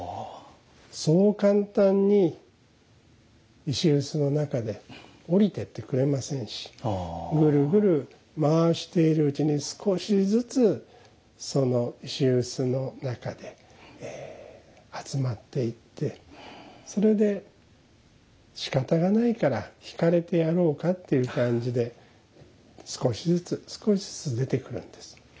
そう簡単に石臼の中でおりてってくれませんしぐるぐる回しているうちに少しずつその石臼の中で集まっていってそれでしかたがないからひかれてやろうかっていう感じで少しずつ少しずつ出てくるんです。